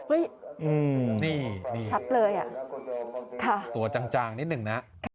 อุ๊ยนี่นี่ตัวจางนิดหนึ่งนะ